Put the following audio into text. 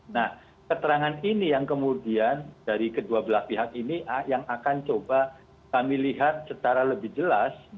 nah keterangan ini yang kemudian dari kedua belah pihak ini yang akan coba kami lihat secara lebih jelas